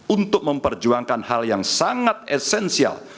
untuk memperjuangkan hal yang sangat esensial